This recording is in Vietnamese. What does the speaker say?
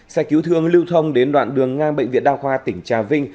xe cứu thương lưu thông đến đoạn đường ngang bệnh viện đa khoa tỉnh trà vinh